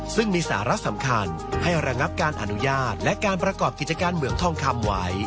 ซึ่งมีสาระสำคัญให้ระงับการอนุญาตและการประกอบกิจการเหมืองทองคำไว้